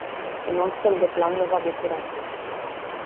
Un astfel de plan ne va bucura.